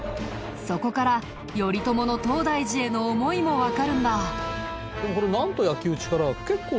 そこから頼朝の東大寺への思いもわかるんだ！